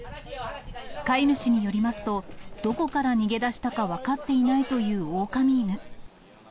飼い主によりますと、どこから逃げ出したか分かっていないというオオカミ犬。